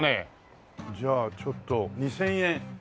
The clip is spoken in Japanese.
じゃあちょっと２０００円。